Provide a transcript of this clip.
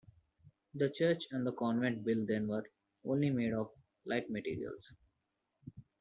The church and the convent built then were only made of light materials.